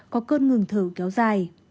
có cơn ngừng thở kéo dài